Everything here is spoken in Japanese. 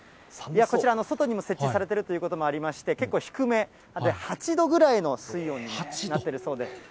こちら、外にも設置されているということもありまして、結構低め、８度ぐらいの水温になってるそうで。